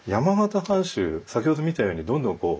先ほど見たようにどんどんこう。